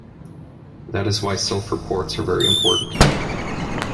That is why self-reports are very important.